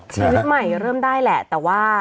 ชีวิตใหม่เริ่มได้แหละแต่ว่า